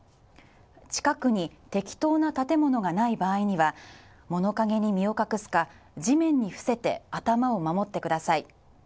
近くに適当な建物がない場合には物陰に身を隠すか、地面に伏せて頭を守ってください。